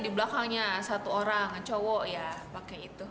di belakangnya satu orang cowok ya pakai itu